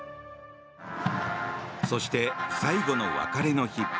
そして最後の別れの日。